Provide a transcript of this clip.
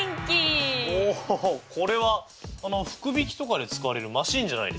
おおこれは福引きとかで使われるマシーンじゃないですか。